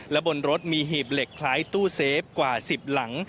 และบนรถมีหีบเหล็กคล้ายตู้เซฟกว่า๑๐หลัง